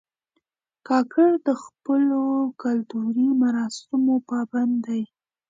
کاکړ د خپلو کلتوري مراسمو پابند دي.